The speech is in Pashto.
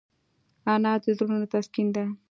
انا د زړونو تسکین ده